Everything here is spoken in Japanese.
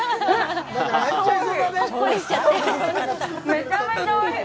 めちゃめちゃおいしい！